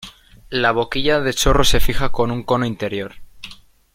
La boquilla de chorro se fija con un cono interior.